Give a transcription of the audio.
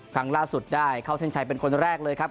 ครั้งล่าสุดได้เข้าเส้นชัยเป็นคนแรกเลยครับ